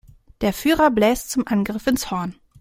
Der Führer bläst zum Angriff ins Horn.